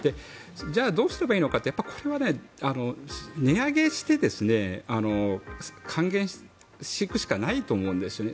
じゃあどうすればいいのかってこれは値上げして還元していくしかないと思うんですよね。